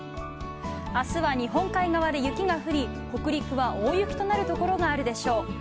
明日は日本海側で雪が降り北陸は大雪となるところがあるでしょう。